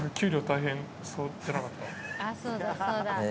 「あっそうだそうだ。